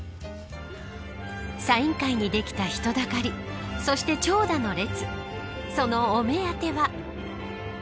サイン会にできた人だかりそして長蛇の列。